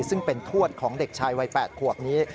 ซึ่งเป็นทวดของเด็กชายวัย๘ขวบนี้